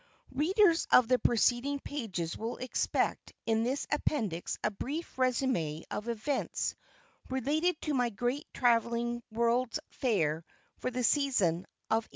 Readers of the preceding pages will expect in this Appendix a brief resumé of events relating to my Great Travelling World's Fair for the season of 1872.